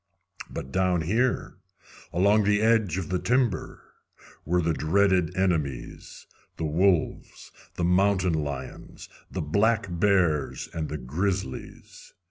But down here, along the edge of the timber, were the dreaded enemies the wolves, the mountain lions, the black bears, and the grizzlies.